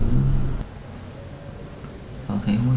thà cháu thấy h union